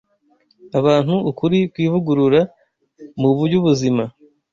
abantu ukuri kw’ivugurura mu by’ubuzima